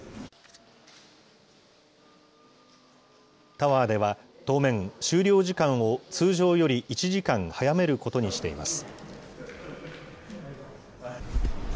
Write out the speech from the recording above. タワーでは、当面、終了時間を通常より１時間早めることにしています。